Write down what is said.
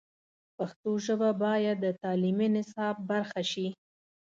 پښتو ژبه باید د تعلیمي نصاب برخه شي.